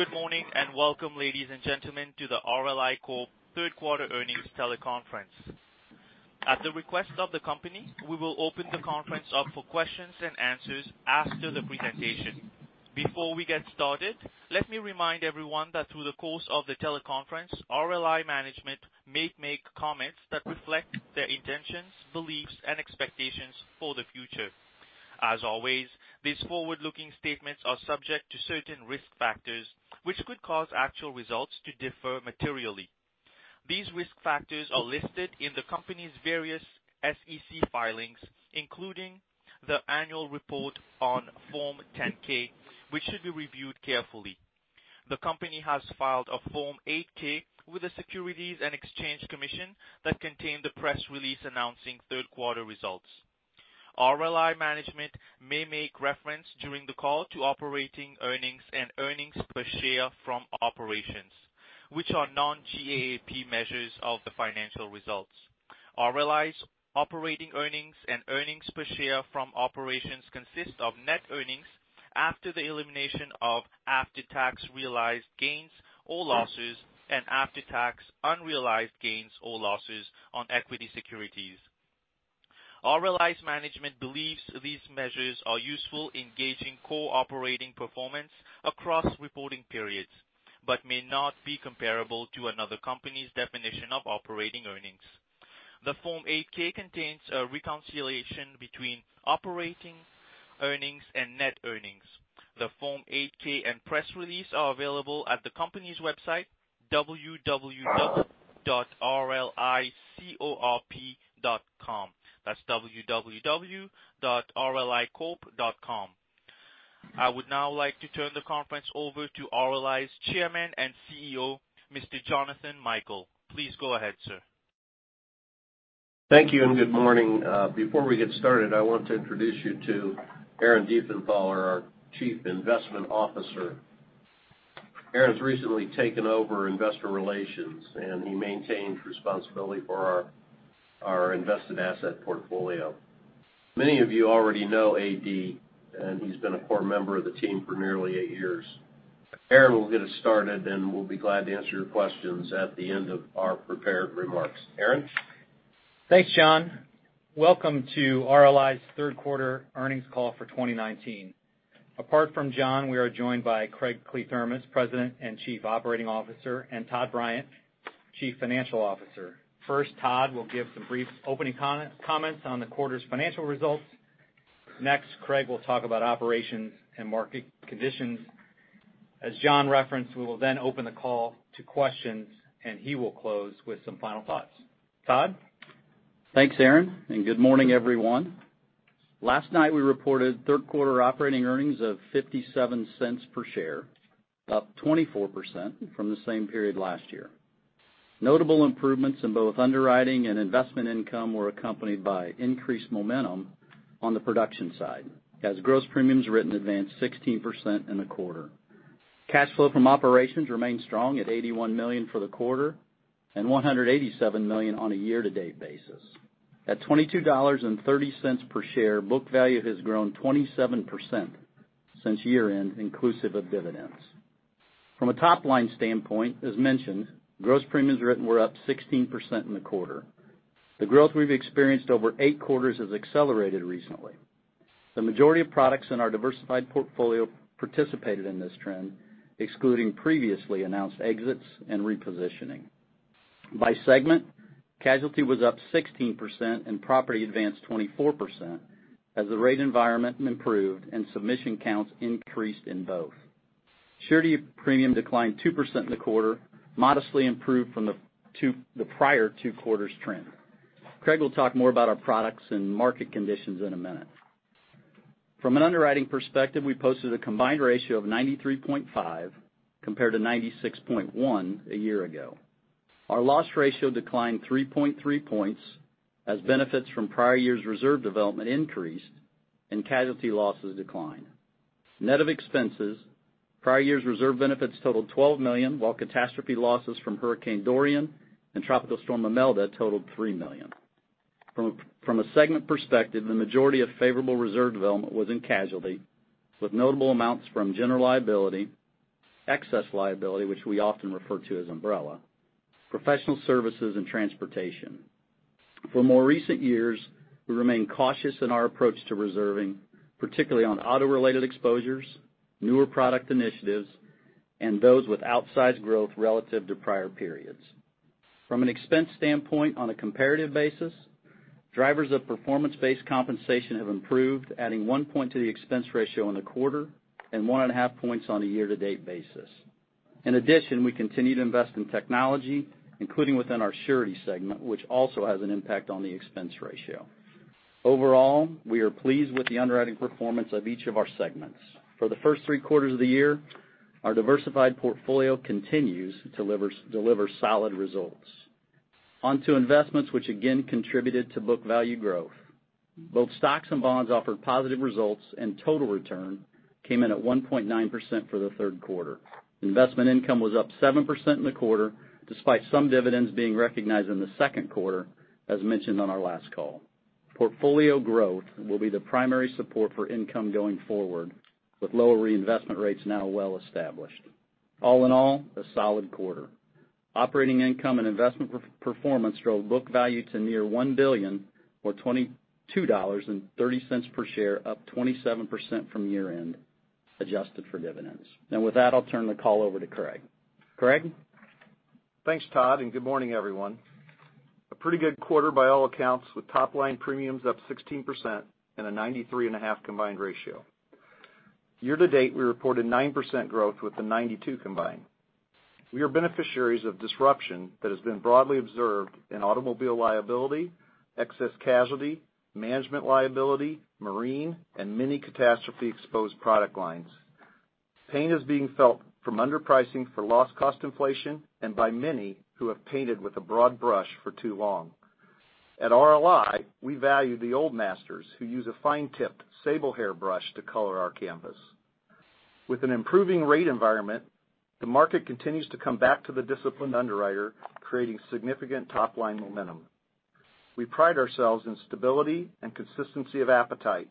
Good morning and welcome, ladies and gentlemen, to the RLI Corp. third quarter earnings teleconference. At the request of the company, we will open the conference up for questions and answers after the presentation. Before we get started, let me remind everyone that through the course of the teleconference, RLI management may make comments that reflect their intentions, beliefs, and expectations for the future. As always, these forward-looking statements are subject to certain risk factors, which could cause actual results to differ materially. These risk factors are listed in the company's various SEC filings, including the annual report on Form 10-K, which should be reviewed carefully. The company has filed a Form 8-K with the Securities and Exchange Commission that contain the press release announcing third quarter results. RLI management may make reference during the call to operating earnings and earnings per share from operations, which are non-GAAP measures of the financial results. RLI's operating earnings and earnings per share from operations consist of net earnings after the elimination of after-tax realized gains or losses and after-tax unrealized gains or losses on equity securities. RLI's management believes these measures are useful in gauging core operating performance across reporting periods but may not be comparable to another company's definition of operating earnings. The Form 8-K contains a reconciliation between operating earnings and net earnings. The Form 8-K and press release are available at the company's website, www.rlicorp.com. That's www.rlicorp.com. I would now like to turn the conference over to RLI's Chairman and CEO, Mr. Jonathan Michael. Please go ahead, sir. Thank you, and good morning. Before we get started, I want to introduce you to Aaron Diefenthaler, our Chief Investment Officer. Aaron's recently taken over investor relations, and he maintains responsibility for our invested asset portfolio. Many of you already know AD, and he's been a core member of the team for nearly 8 years. Aaron will get us started, and we'll be glad to answer your questions at the end of our prepared remarks. Aaron? Thanks, John. Welcome to RLI's third quarter earnings call for 2019. Apart from John, we are joined by Craig Kliethermes, President and Chief Operating Officer, and Todd Bryant, Chief Financial Officer. First, Todd will give some brief opening comments on the quarter's financial results. Next, Craig will talk about operations and market conditions. As John referenced, we will then open the call to questions, and he will close with some final thoughts. Todd? Thanks, Aaron, and good morning, everyone. Last night, we reported third quarter operating earnings of $0.57 per share, up 24% from the same period last year. Notable improvements in both underwriting and investment income were accompanied by increased momentum on the production side, as gross premiums written advanced 16% in the quarter. Cash flow from operations remained strong at $81 million for the quarter and $187 million on a year-to-date basis. At $22.30 per share, book value has grown 27% since year-end, inclusive of dividends. From a top-line standpoint, as mentioned, gross premiums written were up 16% in the quarter. The growth we've experienced over eight quarters has accelerated recently. The majority of products in our diversified portfolio participated in this trend, excluding previously announced exits and repositioning. By segment, casualty was up 16% and property advanced 24% as the rate environment improved and submission counts increased in both. Surety premium declined 2% in the quarter, modestly improved from the prior two quarters' trend. Craig will talk more about our products and market conditions in a minute. From an underwriting perspective, we posted a combined ratio of 93.5 compared to 96.1 a year ago. Our loss ratio declined 3.3 points as benefits from prior year's reserve development increased and casualty losses declined. Net of expenses, prior year's reserve benefits totaled $12 million, while catastrophe losses from Hurricane Dorian and Tropical Storm Imelda totaled $3 million. From a segment perspective, the majority of favorable reserve development was in casualty, with notable amounts from general liability, excess liability, which we often refer to as umbrella, professional services, and transportation. For more recent years, we remain cautious in our approach to reserving, particularly on auto-related exposures, newer product initiatives, and those with outsized growth relative to prior periods. From an expense standpoint on a comparative basis, drivers of performance-based compensation have improved, adding one point to the expense ratio in the quarter and one and a half points on a year-to-date basis. In addition, we continue to invest in technology, including within our surety segment, which also has an impact on the expense ratio. Overall, we are pleased with the underwriting performance of each of our segments. For the first three quarters of the year, our diversified portfolio continues to deliver solid results. On to investments, which again contributed to book value growth. Both stocks and bonds offered positive results, and total return came in at 1.9% for the third quarter. Investment income was up 7% in the quarter, despite some dividends being recognized in the second quarter, as mentioned on our last call. Portfolio growth will be the primary support for income going forward, with lower reinvestment rates now well-established. All in all, a solid quarter. Operating income and investment performance drove book value to near $1 billion, or $22.30 per share, up 27% from year-end, adjusted for dividends. With that, I'll turn the call over to Craig. Craig? Thanks, Todd, Good morning, everyone. A pretty good quarter by all accounts, with top-line premiums up 16% and a 93.5 combined ratio. Year to date, we reported 9% growth with a 92 combined. We are beneficiaries of disruption that has been broadly observed in automobile liability, excess casualty, management liability, marine, and many catastrophe-exposed product lines. Pain is being felt from underpricing for loss cost inflation and by many who have painted with a broad brush for too long. At RLI, we value the old masters who use a fine-tipped sable hair brush to color our canvas. With an improving rate environment, the market continues to come back to the disciplined underwriter, creating significant top-line momentum. We pride ourselves in stability and consistency of appetite,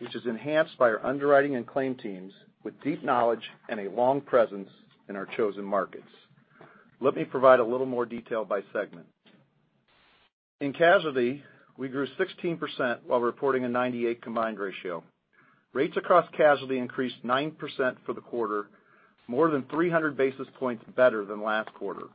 which is enhanced by our underwriting and claim teams with deep knowledge and a long presence in our chosen markets. Let me provide a little more detail by segment. In casualty, we grew 16% while reporting a 98 combined ratio. Rates across casualty increased 9% for the quarter, more than 300 basis points better than last quarter.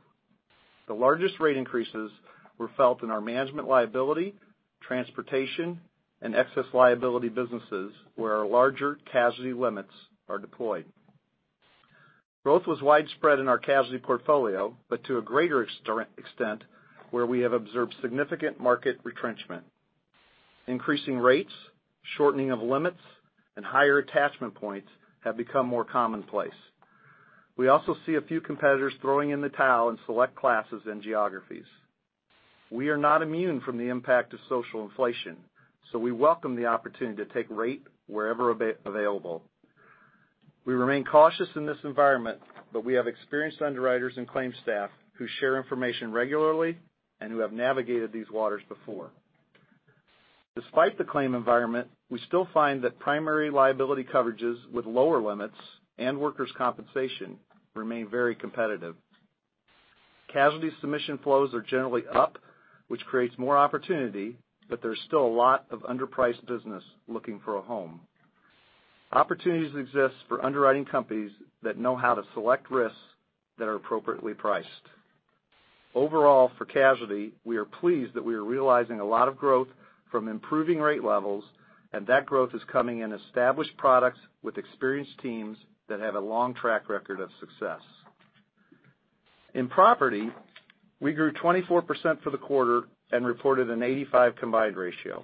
The largest rate increases were felt in our management liability, transportation, and excess liability businesses, where our larger casualty limits are deployed. Growth was widespread in our casualty portfolio, but to a greater extent where we have observed significant market retrenchment. Increasing rates, shortening of limits, and higher attachment points have become more commonplace. We also see a few competitors throwing in the towel in select classes and geographies. We are not immune from the impact of social inflation, so we welcome the opportunity to take rate wherever available. We remain cautious in this environment, We have experienced underwriters and claim staff who share information regularly and who have navigated these waters before. Despite the claim environment, we still find that primary liability coverages with lower limits and workers' compensation remain very competitive. Casualty submission flows are generally up, which creates more opportunity, There's still a lot of underpriced business looking for a home. Opportunities exist for underwriting companies that know how to select risks that are appropriately priced. Overall, for casualty, we are pleased that we are realizing a lot of growth from improving rate levels, That growth is coming in established products with experienced teams that have a long track record of success. In property, we grew 24% for the quarter and reported an 85 combined ratio.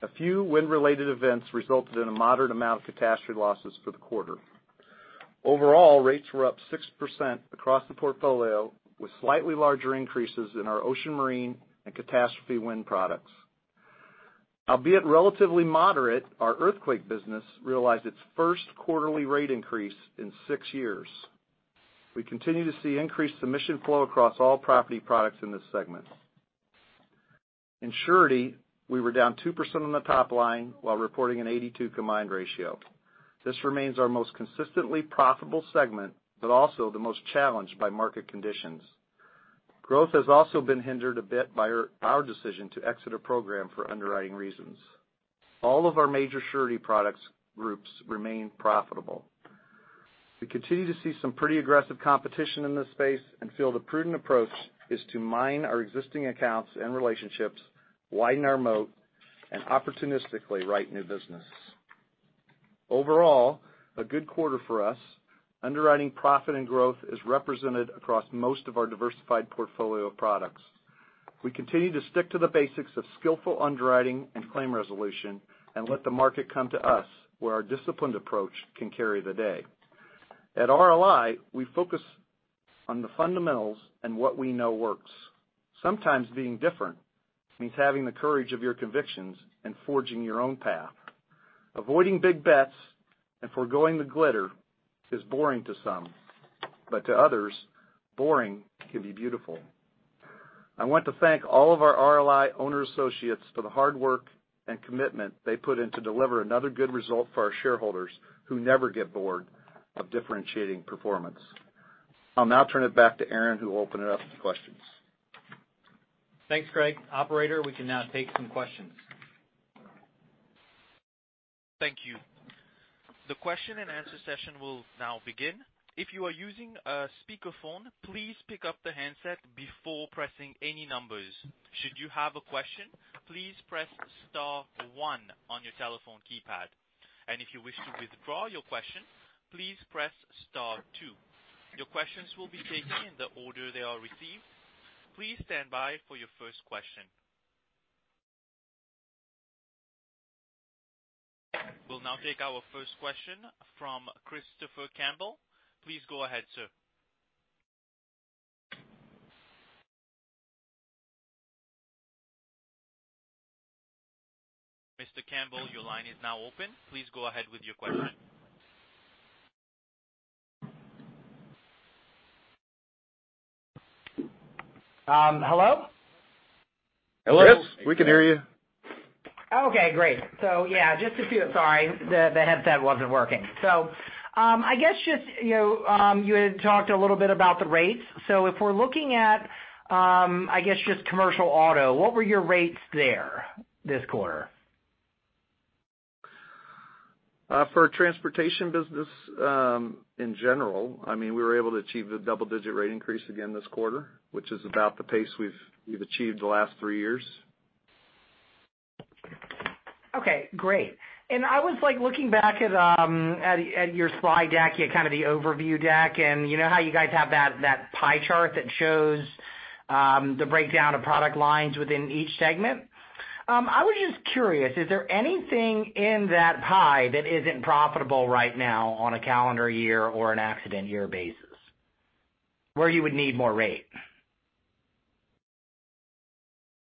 A few wind-related events resulted in a moderate amount of catastrophe losses for the quarter. Overall, rates were up 6% across the portfolio, with slightly larger increases in our ocean marine and catastrophe wind products. Albeit relatively moderate, our earthquake business realized its first quarterly rate increase in six years. We continue to see increased submission flow across all property products in this segment. In surety, we were down 2% on the top line while reporting an 82 combined ratio. This remains our most consistently profitable segment, Also the most challenged by market conditions. Growth has also been hindered a bit by our decision to exit a program for underwriting reasons. All of our major surety products groups remain profitable. We continue to see some pretty aggressive competition in this space We feel the prudent approach is to mine our existing accounts and relationships, widen our moat, and opportunistically write new business. Overall, a good quarter for us. Underwriting profit and growth is represented across most of our diversified portfolio of products. We continue to stick to the basics of skillful underwriting and claim resolution and let the market come to us, where our disciplined approach can carry the day. At RLI, we focus on the fundamentals and what we know works. Sometimes being different means having the courage of your convictions and forging your own path. Avoiding big bets and forgoing the glitter is boring to some, but to others, boring can be beautiful. I want to thank all of our RLI owner associates for the hard work and commitment they put in to deliver another good result for our shareholders, who never get bored of differentiating performance. I'll now turn it back to Aaron, who will open it up to questions. Thanks, Craig. Operator, we can now take some questions. Thank you. The question and answer session will now begin. If you are using a speakerphone, please pick up the handset before pressing any numbers. Should you have a question, please press star one on your telephone keypad. If you wish to withdraw your question, please press star two. Your questions will be taken in the order they are received. Please stand by for your first question. We'll now take our first question from Christopher Campbell. Please go ahead, sir. Mr. Campbell, your line is now open. Please go ahead with your question. Hello? Hello. We can hear you. Okay, great. Yeah, just a few. Sorry, the headset wasn't working. I guess you had talked a little bit about the rates. If we're looking at, just commercial auto, what were your rates there this quarter? For transportation business, in general, we were able to achieve the double-digit rate increase again this quarter, which is about the pace we've achieved the last three years. Okay, great. I was looking back at your slide deck, at kind of the overview deck, and you know how you guys have that pie chart that shows the breakdown of product lines within each segment? I was just curious, is there anything in that pie that isn't profitable right now on a calendar year or an accident year basis, where you would need more rate?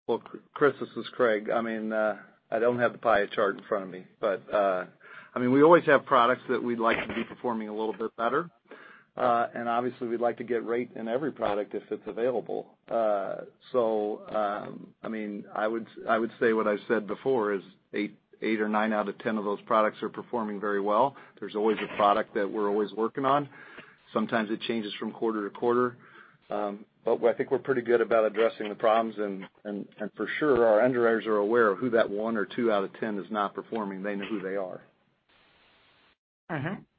Well, Chris, this is Craig. I don't have the pie chart in front of me, we always have products that we'd like to be performing a little bit better. Obviously, we'd like to get rate in every product if it's available. I would say what I've said before is eight or nine out of 10 of those products are performing very well. There's always a product that we're always working on. Sometimes it changes from quarter to quarter. I think we're pretty good about addressing the problems and for sure, our underwriters are aware of who that one or two out of 10 is not performing. They know who they are.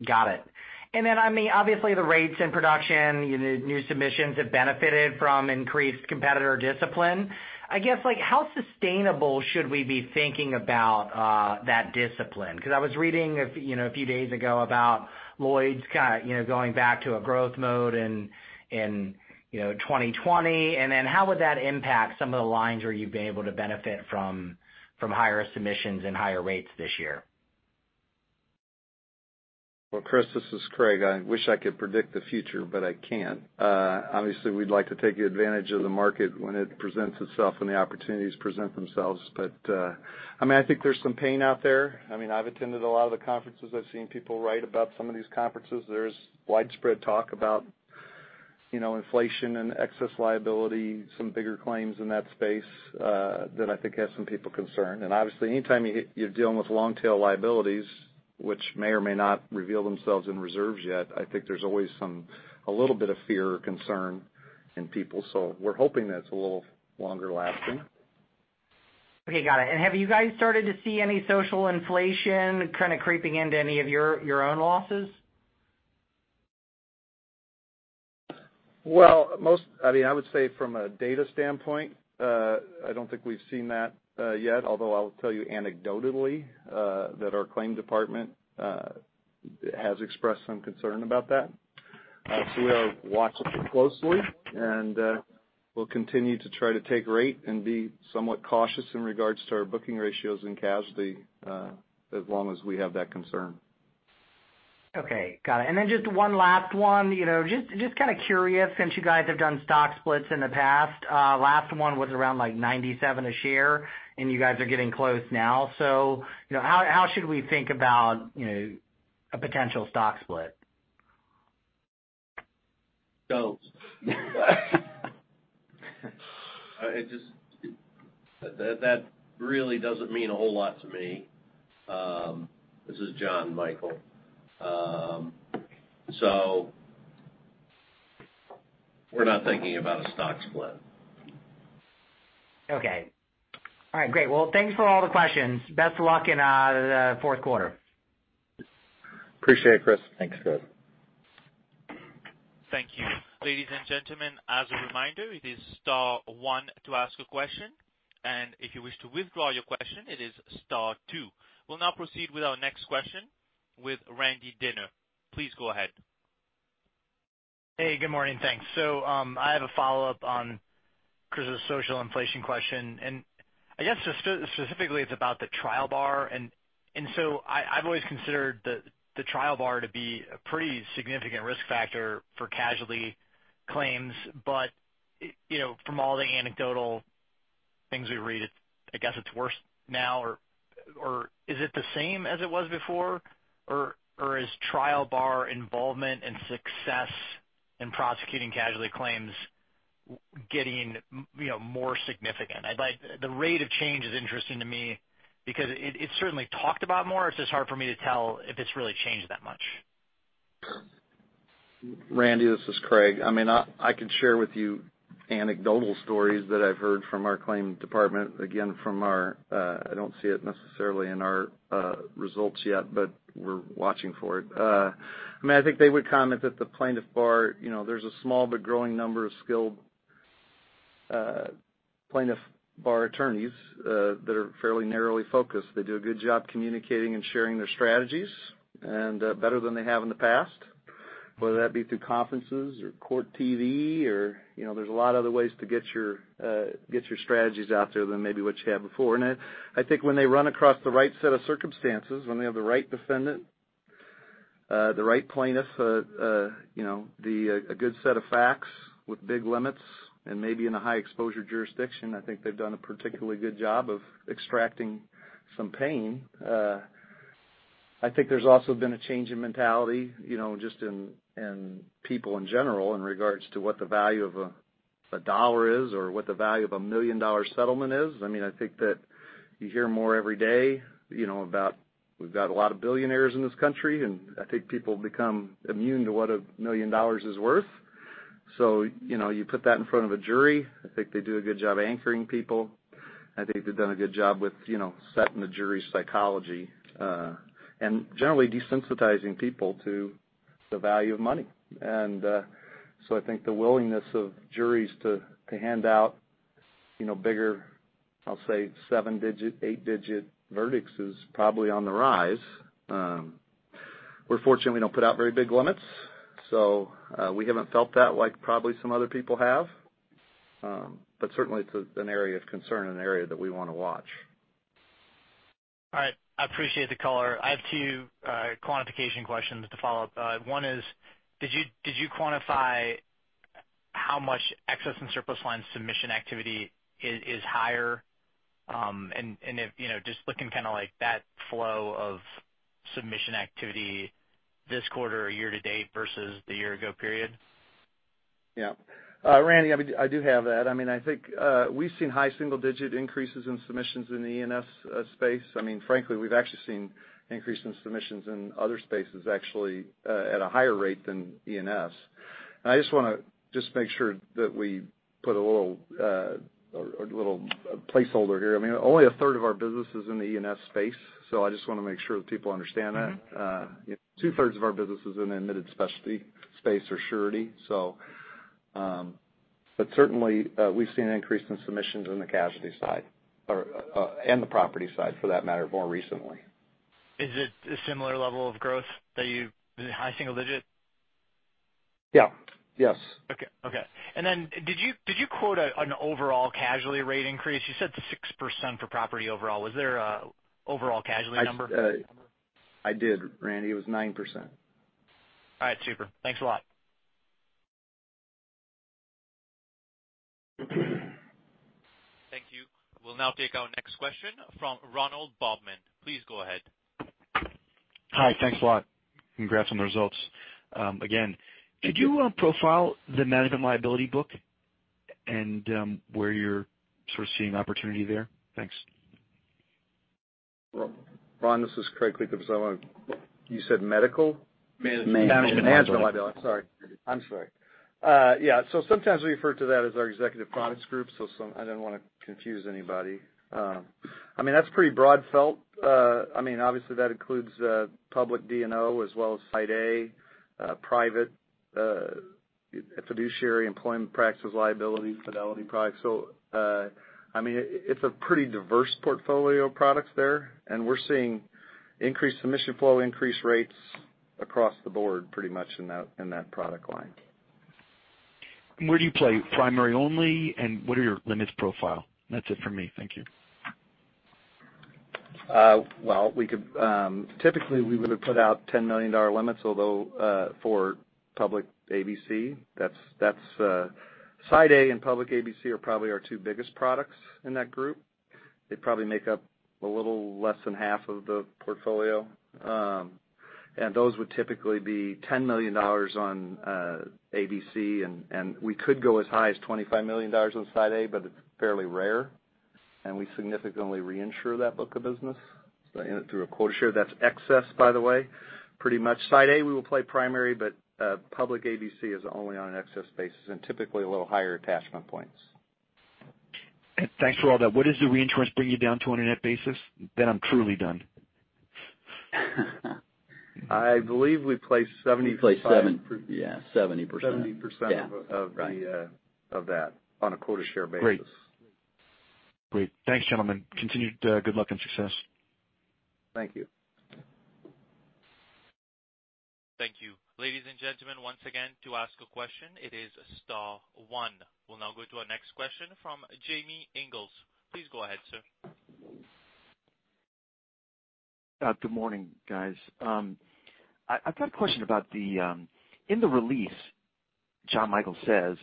Got it. Obviously the rates and production, new submissions have benefited from increased competitor discipline. I guess, how sustainable should we be thinking about that discipline? Because I was reading a few days ago about Lloyd's going back to a growth mode in 2020. How would that impact some of the lines where you've been able to benefit from higher submissions and higher rates this year? Well, Chris, this is Craig. I wish I could predict the future, but I can't. Obviously, we'd like to take advantage of the market when it presents itself, and the opportunities present themselves. I think there's some pain out there. I've attended a lot of the conferences. I've seen people write about some of these conferences. There's widespread talk about inflation and excess liability, some bigger claims in that space, that I think has some people concerned. Obviously, anytime you're dealing with long-tail liabilities, which may or may not reveal themselves in reserves yet, I think there's always a little bit of fear or concern in people. We're hoping that it's a little longer lasting. Okay. Got it. Have you guys started to see any social inflation kind of creeping into any of your own losses? Well, I would say from a data standpoint, I don't think we've seen that yet. Although I'll tell you anecdotally, that our claim department has expressed some concern about that. We are watching closely, and we'll continue to try to take rate and be somewhat cautious in regards to our booking ratios and casualty, as long as we have that concern. Okay. Got it. Just one last one. Just curious, since you guys have done stock splits in the past, last one was around like $97 a share, and you guys are getting close now. How should we think about a potential stock split? Don't. That really doesn't mean a whole lot to me. This is John Michael. We're not thinking about a stock split. Okay. All right, great. Thanks for all the questions. Best of luck in the fourth quarter. Appreciate it, Chris. Thanks, Chris. Thank you. Ladies and gentlemen, as a reminder, it is star one to ask a question, and if you wish to withdraw your question, it is star two. We'll now proceed with our next question with Randy Binner. Please go ahead. Hey, good morning. Thanks. I have a follow-up on Chris' social inflation question, and I guess specifically it's about the trial bar. I've always considered the trial bar to be a pretty significant risk factor for casualty claims. From all the anecdotal things we read, I guess it's worse now or is it the same as it was before, or is trial bar involvement and success in prosecuting casualty claims getting more significant? The rate of change is interesting to me because it's certainly talked about more. It's just hard for me to tell if it's really changed that much. Randy, this is Craig. I could share with you anecdotal stories that I've heard from our claim department, again, I don't see it necessarily in our results yet, but we're watching for it. I think they would comment that the plaintiff bar, there's a small but growing number of skilled plaintiff bar attorneys that are fairly narrowly focused. They do a good job communicating and sharing their strategies, better than they have in the past, whether that be through conferences or Court TV or there's a lot of other ways to get your strategies out there than maybe what you had before. I think when they run across the right set of circumstances, when they have the right defendant, the right plaintiff, a good set of facts with big limits and maybe in a high exposure jurisdiction, I think they've done a particularly good job of extracting some pain. I think there's also been a change in mentality, just in people in general, in regards to what the value of a dollar is or what the value of a million-dollar settlement is. I think that you hear more every day, about we've got a lot of billionaires in this country, and I think people become immune to what a million dollars is worth. You put that in front of a jury, I think they do a good job anchoring people. I think they've done a good job with setting the jury's psychology, and generally desensitizing people to the value of money. So I think the willingness of juries to hand out bigger, I'll say seven-digit, eight-digit verdicts is probably on the rise. We're fortunate we don't put out very big limits, so we haven't felt that like probably some other people have. Certainly it's an area of concern and an area that we want to watch. All right. I appreciate the color. I have two quantification questions to follow up. One is, did you quantify how much excess in surplus line submission activity is higher? If, just looking like that flow of submission activity this quarter or year to date versus the year ago period. Yeah. Randy, I do have that. I think we've seen high single digit increases in submissions in the E&S space. Frankly, we've actually seen increase in submissions in other spaces, actually, at a higher rate than E&S. I just want to make sure that we put a little placeholder here. Only a third of our business is in the E&S space, so I just want to make sure that people understand that. Two thirds of our business is in the admitted specialty space or surety. Certainly, we've seen an increase in submissions in the casualty side, and the property side for that matter, more recently. Is it a similar level of growth? Is it high single digit? Yeah. Yes. Okay. Did you quote an overall casualty rate increase? You said 6% for property overall. Was there an overall casualty number? I did, Randy. It was 9%. All right, super. Thanks a lot. Thank you. We'll now take our next question from Ronald Bobman. Please go ahead. Hi. Thanks a lot. Congrats on the results. Again, could you profile the management liability book and where you're sort of seeing opportunity there? Thanks. Ron, this is Craig Kliethermes. You said medical? Management liability. Management liability. I'm sorry. Yeah. Sometimes we refer to that as our executive products group, I didn't want to confuse anybody. That's pretty broad felt. Obviously that includes public D&O as well as Side A, private, fiduciary employment practices, liability, fidelity products. It's a pretty diverse portfolio of products there, and we're seeing increased submission flow, increased rates across the board pretty much in that product line. Where do you play primary only, and what are your limits profile? That's it for me. Thank you. Well, typically we would have put out $10 million limits, although, for public ABC. Side A and public ABC are probably our two biggest products in that group. They probably make up a little less than half of the portfolio. Those would typically be $10 million on ABC, and we could go as high as $25 million on Side A, but it's fairly rare, and we significantly reinsure that book of business through a quota share. That's excess, by the way. Pretty much Side A, we will play primary, but public ABC is only on an excess basis and typically a little higher attachment points. Thanks for all that. What does the reinsurance bring you down to on a net basis? I'm truly done. I believe we place We place 70%, yeah. 70% of that on a quota share basis. Great. Thanks, gentlemen. Continued good luck and success. Thank you. Thank you. Ladies and gentlemen, once again, to ask a question, it is star one. We'll now go to our next question from Jamie Inglis. Please go ahead, sir. Good morning, guys. I've got a question about the, in the release, John Michael says,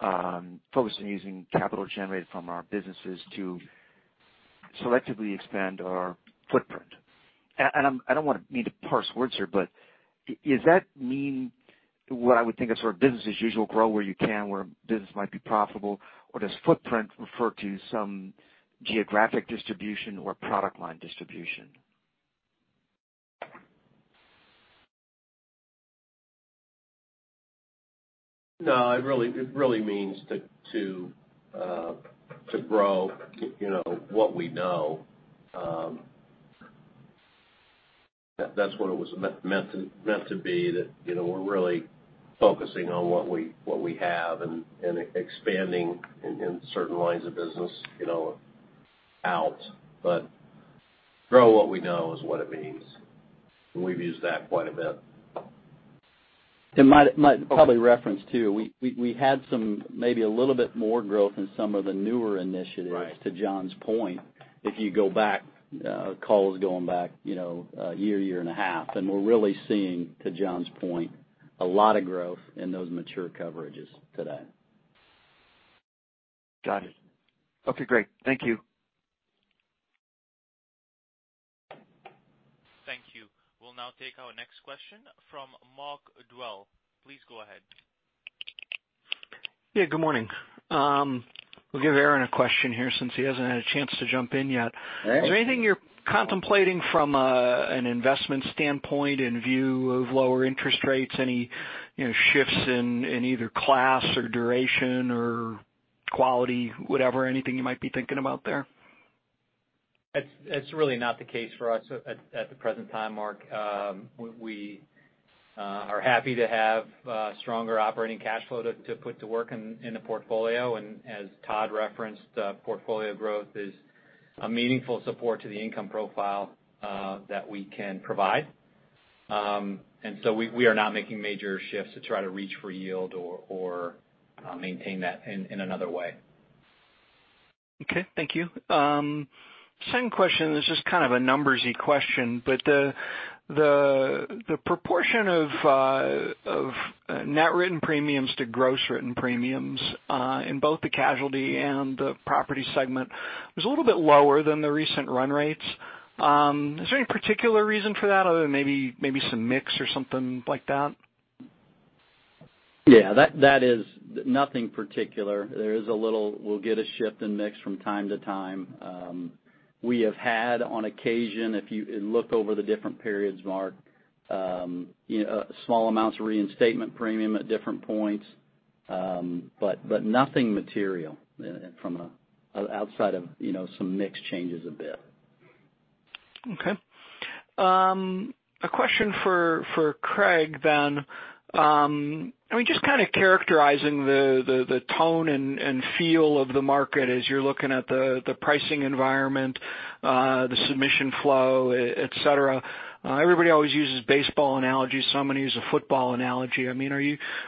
focused on using capital generated from our businesses to selectively expand our footprint. I don't want to mean to parse words here, but does that mean what I would think of sort of business as usual, grow where you can, where business might be profitable? Or does footprint refer to some geographic distribution or product line distribution? No, it really means to grow what we know. That's what it was meant to be, that we're really focusing on what we have and expanding in certain lines of business out. Grow what we know is what it means, and we've used that quite a bit. I might probably reference, too, we had some, maybe a little bit more growth in some of the newer initiatives. Right To John's point, if you go back, calls going back a year and a half. We're really seeing, to John's point, a lot of growth in those mature coverages today. Got it. Okay, great. Thank you. Thank you. We'll now take our next question from Mark Dwelle. Please go ahead. Yeah, good morning. We'll give Aaron a question here since he hasn't had a chance to jump in yet. All right. Is there anything you're contemplating from an investment standpoint in view of lower interest rates? Any shifts in either class or duration or quality, whatever, anything you might be thinking about there? That's really not the case for us at the present time, Mark. We are happy to have stronger operating cash flow to put to work in the portfolio. As Todd referenced, portfolio growth is a meaningful support to the income profile that we can provide. We are not making major shifts to try to reach for yield or maintain that in another way. Okay. Thank you. Second question. This is kind of a numbersy question, the proportion of net written premiums to gross written premiums, in both the casualty and the property segment, was a little bit lower than the recent run rates. Is there any particular reason for that other than maybe some mix or something like that? Yeah, that is nothing particular. There is, we'll get a shift in mix from time to time. We have had, on occasion, if you look over the different periods, Mark, small amounts of reinstatement premium at different points. Nothing material outside of some mix changes a bit. Okay. A question for Craig. Just kind of characterizing the tone and feel of the market as you're looking at the pricing environment, the submission flow, et cetera. Everybody always uses baseball analogies, so I'm going to use a football analogy. Are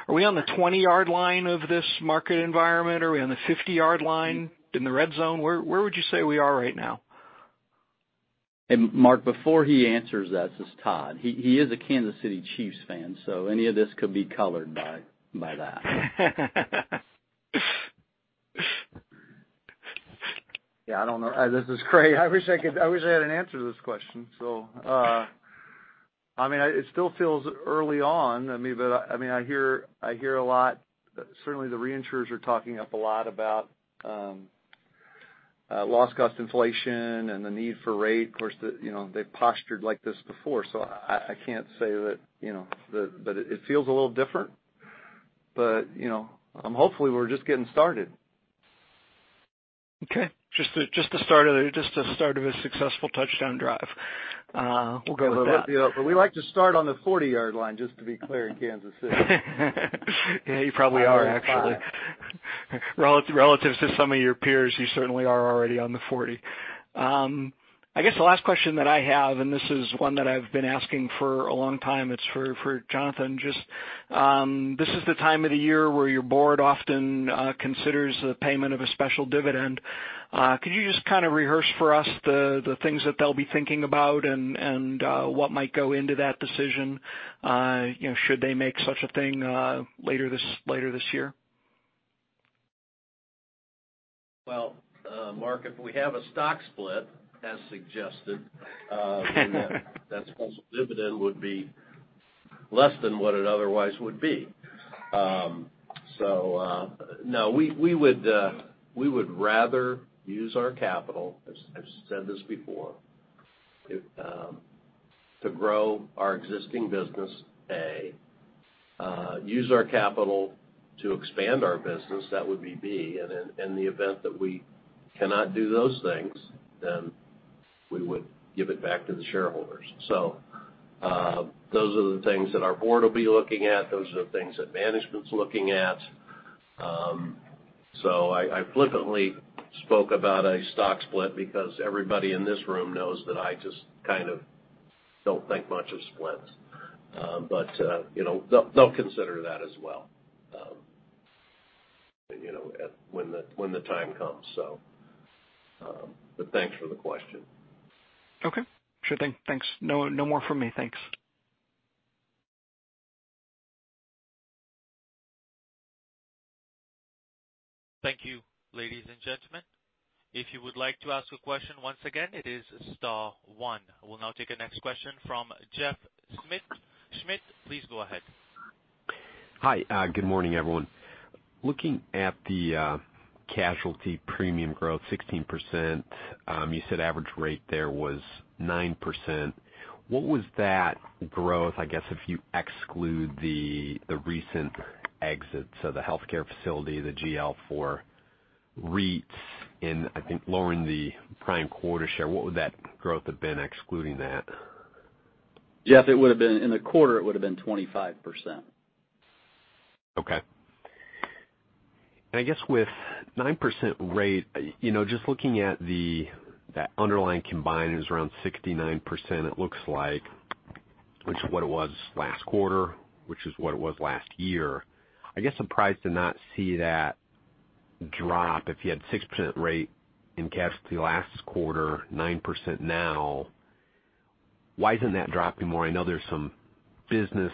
we on the 20-yard line of this market environment? Are we on the 50-yard line? In the red zone? Where would you say we are right now? Mark, before he answers that, this is Todd. He is a Kansas City Chiefs fan, so any of this could be colored by that. Yeah, I don't know. This is Craig. I wish I had an answer to this question. It still feels early on. I hear a lot, certainly the reinsurers are talking up a lot about loss cost inflation and the need for rate. Of course, they've postured like this before, so I can't say that it feels a little different. Hopefully we're just getting started. Just the start of a successful touchdown drive. We'll go with that. We like to start on the 40-yard line, just to be clear, in Kansas City. You probably are, actually. I won't lie. Relative to some of your peers, you certainly are already on the 40. I guess the last question that I have, this is one that I've been asking for a long time, it's for Jonathan. This is the time of the year where your board often considers the payment of a special dividend. Could you just kind of rehearse for us the things that they'll be thinking about and what might go into that decision? Should they make such a thing later this year? Well, Mark, if we have a stock split, as suggested, that special dividend would be less than what it otherwise would be. No. We would rather use our capital, I've said this before to grow our existing business, A, use our capital to expand our business, that would be B. In the event that we cannot do those things, We would give it back to the shareholders. Those are the things that our board will be looking at. Those are the things that management's looking at. I flippantly spoke about a stock split because everybody in this room knows that I just kind of don't think much of splits. They'll consider that as well when the time comes. Thanks for the question. Okay. Sure thing. Thanks. No more from me. Thanks. Thank you. Ladies and gentlemen, if you would like to ask a question, once again, it is star one. I will now take the next question from Jeff Schmitt. Schmitt, please go ahead. Hi. Good morning, everyone. Looking at the casualty premium growth, 16%, you said average rate there was 9%. What was that growth, I guess, if you exclude the recent exits of the healthcare facility, the GLP for REITs in, I think, lowering the primary quota share. What would that growth have been excluding that? Jeff, in the quarter, it would've been 25%. Okay. I guess with 9% rate, just looking at that underlying combined ratio is around 69%, it looks like, which is what it was last quarter, which is what it was last year. I guess surprised to not see that drop if you had 6% rate in casualty last quarter, 9% now. Why isn't that dropping more? I know there's some business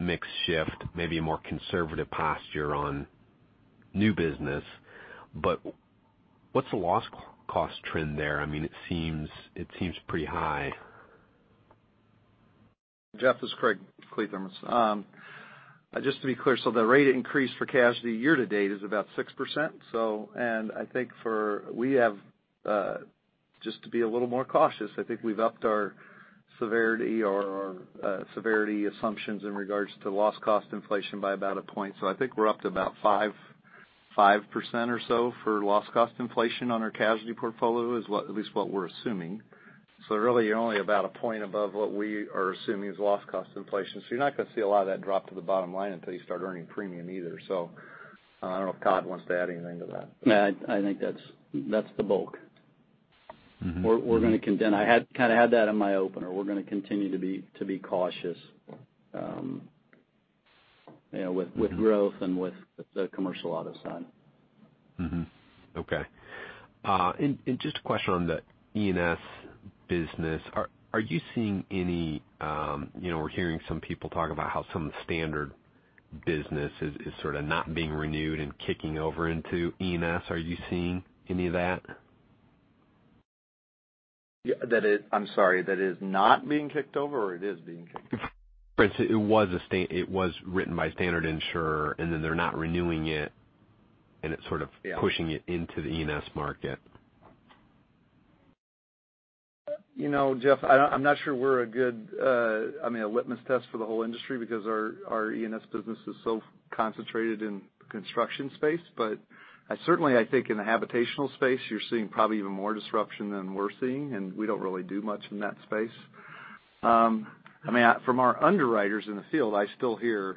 mix shift, maybe a more conservative posture on new business. What's the loss cost trend there? It seems pretty high. Jeff, this is Craig Kliethermes. Just to be clear, the rate increase for casualty year-to-date is about 6%. I think just to be a little more cautious, I think we've upped our severity or our severity assumptions in regards to loss cost inflation by about a point. I think we're up to about 5% or so for loss cost inflation on our casualty portfolio, is at least what we're assuming. Really, you're only about a point above what we are assuming is loss cost inflation. I don't know if Todd wants to add anything to that. No, I think that's the bulk. I kind of had that in my opener. We're going to continue to be cautious with growth and with the commercial auto side. Okay. Just a question on the E&S business. We're hearing some people talk about how some of the standard business is sort of not being renewed and kicking over into E&S. Are you seeing any of that? I'm sorry, that is not being kicked over, or it is being kicked over? It was written by a standard insurer, and then they're not renewing it. Yeah Pushing it into the E&S market. Jeff, I'm not sure we're a litmus test for the whole industry because our E&S business is so concentrated in the construction space. Certainly, I think in the habitational space, you're seeing probably even more disruption than we're seeing, and we don't really do much in that space. From our underwriters in the field, I still hear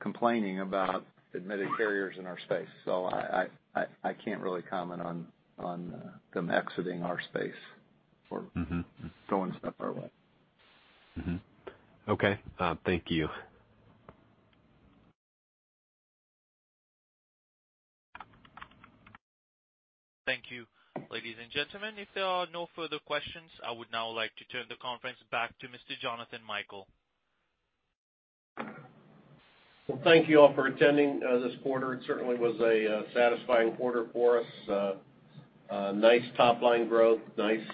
complaining about admitted carriers in our space. I can't really comment on them exiting our space. Going somewhere else. Mm-hmm. Okay. Thank you. Thank you. Ladies and gentlemen, if there are no further questions, I would now like to turn the conference back to Mr. Jonathan Michael. Well, thank you all for attending this quarter. It certainly was a satisfying quarter for us. Nice top-line growth, nice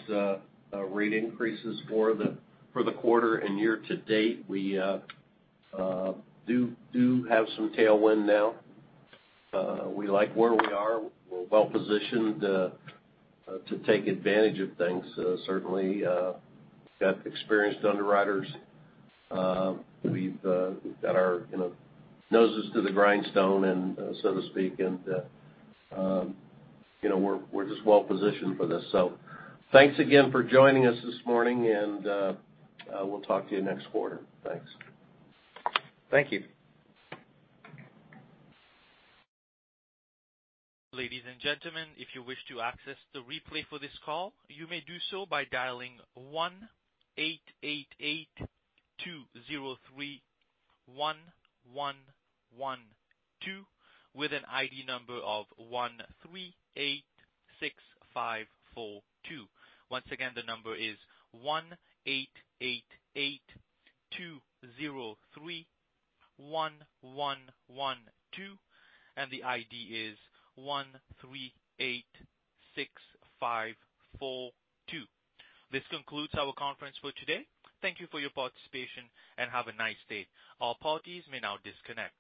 rate increases for the quarter and year-to-date. We do have some tailwind now. We like where we are. We're well-positioned to take advantage of things. Certainly got experienced underwriters. We've got our noses to the grindstone, so to speak, and we're just well-positioned for this. Thanks again for joining us this morning, and we'll talk to you next quarter. Thanks. Thank you. Ladies and gentlemen, if you wish to access the replay for this call, you may do so by dialing 1-888-203-1112 with an ID number of 1386542. Once again, the number is 1-888-203-1112, and the ID is 1386542. This concludes our conference for today. Thank you for your participation, and have a nice day. All parties may now disconnect.